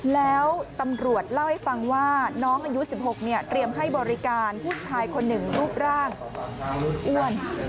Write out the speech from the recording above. แล้วตำรวจเล่าให้ฟังว่าน้องอายุ๑๖เนี่ยเตรียมให้บริการผู้ชายคนหนึ่งรูปร่างอ้วน